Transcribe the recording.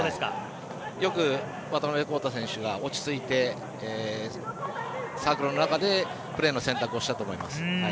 よく渡辺晃大選手が落ち着いてサークルの中でプレーの選択をしたと思います。